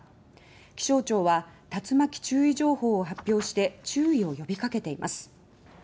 気象庁は竜巻注意情報を発表して注意を呼びかけています。